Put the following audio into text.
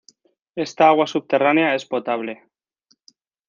Esta agua subterránea es potable.